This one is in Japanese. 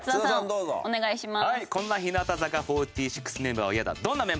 お願いします。